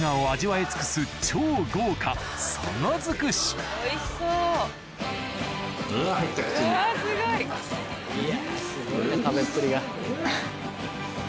いやすごいな食べっぷりが。